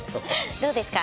どうですか？